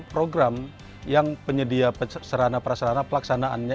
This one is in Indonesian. program yang penyedia perasarana perasarana pelaksanaannya